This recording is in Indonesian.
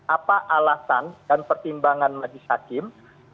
apa alasan dan pertimbangan majelis hakim